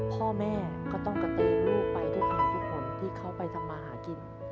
พ่อแม่ก็ต้องกระเตงลูกไปทุกคนที่เขาไปทำมาหากิน